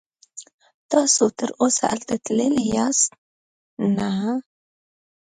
تاسې تراوسه هلته تللي یاست؟ نه.